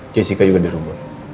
jessica juga di rumah